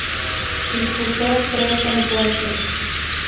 Disputó tres encuentros.